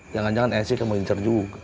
jangan jangan esi kamu incer juga